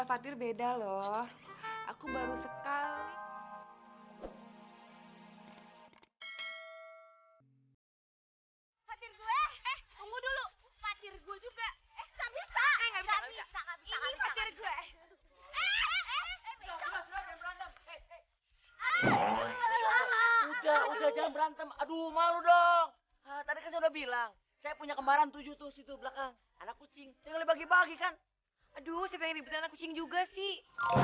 aduh saya pengen ribet anak kucing juga sih